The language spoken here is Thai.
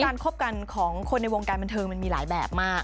คบกันของคนในวงการบันเทิงมันมีหลายแบบมาก